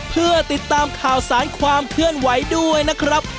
เพื่อติดตามข่าวสารความเคลื่อนไหวด้วยนะครับ